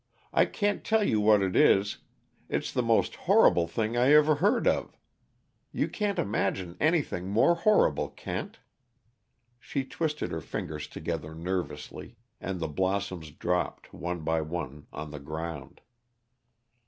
I can't tell you what it is it's the most horrible thing I ever heard of! You can't imagine anything more horrible, Kent!" She twisted her fingers together nervously, and the blossoms dropped, one by one, on the ground.